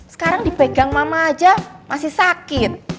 sekarang dipegang mama aja masih sakit